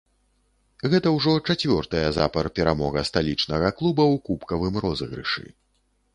Гэта ўжо чацвёртая запар перамога сталічнага клуба ў кубкавым розыгрышы.